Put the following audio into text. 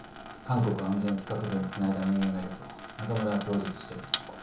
韓国安全企画部につないだ人間がいると中村は供述してる。